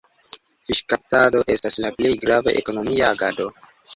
Fiŝkaptado estas la plej grava ekonomia agado.